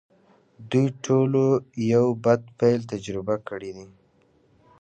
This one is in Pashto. دوی ټولو یو بد پیل تجربه کړی دی